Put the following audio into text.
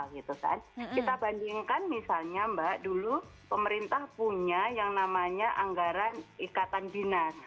kita bandingkan misalnya mbak dulu pemerintah punya yang namanya anggaran ikatan dinas